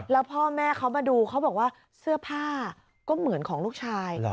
แล้วพ่อแม่เขามาดูเขาบอกว่าเสื้อผ้าก็เหมือนของลูกชาย